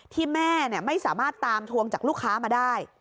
ที่แม่ไม่สามารถตามทวงจากลูกค้ามาได้